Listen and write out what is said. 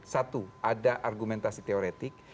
satu ada argumentasi teoretik